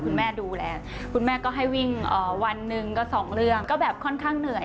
คุณแม่ดูแลคุณแม่ก็ให้วิ่ง๑นึง๒ก็ค่อนข้างเหนื่อย